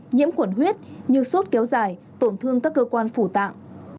nhiễm khuẩn huyết như sốt kéo dài tổn thương các cơ quan phủ tạng